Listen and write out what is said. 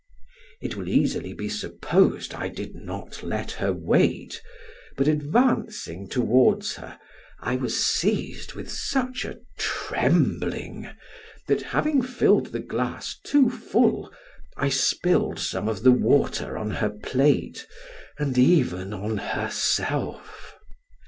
It will easily be supposed I did not let her wait, but advancing towards her, I was seized with such a trembling, that having filled the glass too full, I spilled some of the water on her plate, and even on herself.